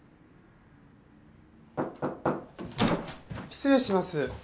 失礼します。